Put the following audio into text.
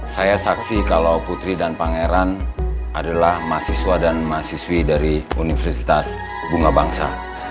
saya saksi kalau putri dan pangeran adalah mahasiswa dan mahasiswi dari universitas bunga bangsa